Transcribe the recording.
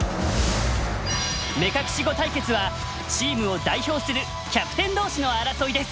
目隠し碁対決はチームを代表するキャプテン同士の争いです。